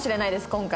今回。